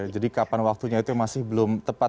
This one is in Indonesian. jadi kapan waktunya itu masih belum tepat